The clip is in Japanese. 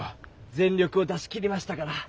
全力を出し切りましたから。